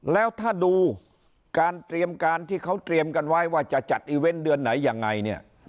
แล้วถ้าดูการเตรียมการที่เขาเตรียมกันไว้ว่าจะจัดอีเวนต์เดือนไหนยังไงเนี่ย